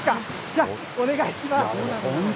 では、お願いします。